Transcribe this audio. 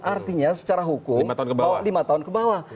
artinya secara hukum lima tahun ke bawah